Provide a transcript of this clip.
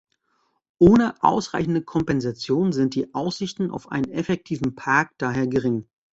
Ohne ausreichende Kompensation sind die Aussichten auf einen effektiven Park daher gering.